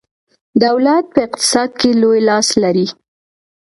دولت په اقتصاد کې لوی لاس لري.